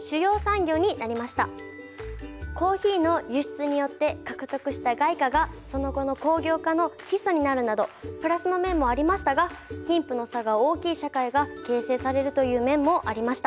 コーヒーの輸出によって獲得した外貨がその後の工業化の基礎になるなどプラスの面もありましたが貧富の差が大きい社会が形成されるという面もありました。